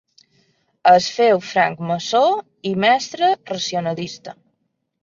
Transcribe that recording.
Es féu francmaçó i mestre racionalista.